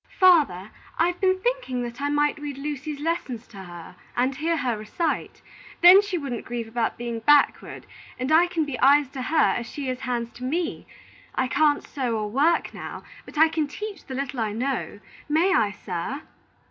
"Father, I've been thinking that I might read Lucy's lessons to her and hear her recite. Then she wouldn't grieve about being backward, and I can be eyes to her as she is hands to me. I can't sew or work now, but I can teach the little I know. May I, sir?"